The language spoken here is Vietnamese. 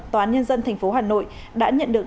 tòa nhân dân tp hà nội đã nhận được